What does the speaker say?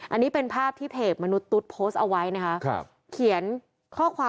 อันนี้เป็นภาพที่เพจมนุษย์ตุ๊ดโพสต์เอาไว้นะคะครับเขียนข้อความ